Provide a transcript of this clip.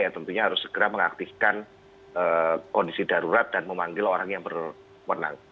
tentunya harus segera mengaktifkan kondisi darurat dan memanggil orang yang berwenang